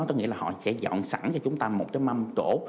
tức nghĩa là họ sẽ dọn sẵn cho chúng ta một cái mâm trổ